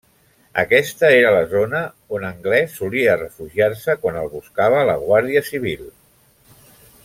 Aquesta era la zona on Anglés solia refugiar-se quan el buscava la Guàrdia Civil.